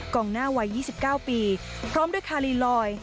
งหน้าวัย๒๙ปีพร้อมด้วยคาลีลอย